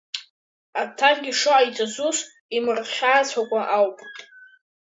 Аҭакгьы шыҟаиҵаз ус имырхьаацәакәа ауп.